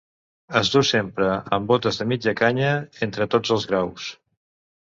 Es duu sempre amb botes de mitja canya entre tots els graus.